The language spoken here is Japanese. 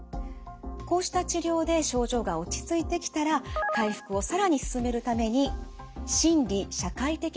こうした治療で症状が落ち着いてきたら回復を更に進めるために心理社会的支援をしていきます。